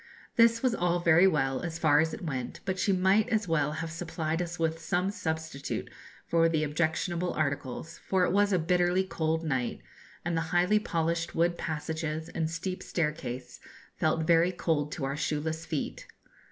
This was all very well, as far as it went; but she might as well have supplied us with some substitute for the objectionable articles, for it was a bitterly cold night, and the highly polished wood passages and steep staircase felt very cold to our shoeless feet.